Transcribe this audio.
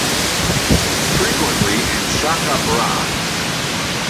Frequently in 'shaka brah'.